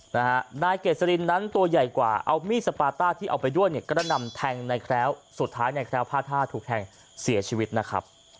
นายเกษรินนั้นตัวใหญ่กว่าเอามีดสปาต้าที่เอาไปด้วยเนี่ยกระนำแทงในแคล้วสุดท้ายในแคล้วพลาดท่าถูกแทงเสียชีวิตนะครับ